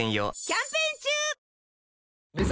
キャンペーン中！